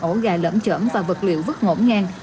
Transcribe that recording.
ổ gà lẫm chợm và vật liệu vứt ngỗm ngang